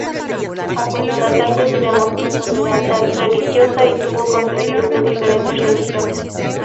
Apoyó las artes y demostró tolerancia religiosa, y tuvo consejeros de diferentes religiones.